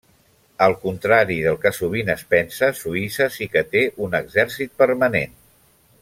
Al contrari del que sovint es pensa, Suïssa sí que té un exèrcit permanent.